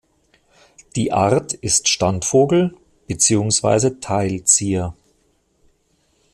Die Art ist Standvogel beziehungsweise Teilzieher.